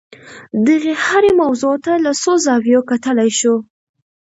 دغې هرې موضوع ته له څو زاویو کتلای شو.